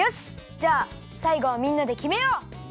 じゃあさいごはみんなできめよう！